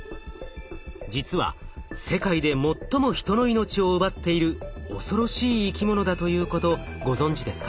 実は世界で最も人の命を奪っている恐ろしい生き物だということご存じですか？